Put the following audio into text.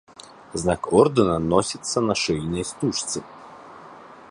Знак ордэна носіцца на шыйнай стужцы.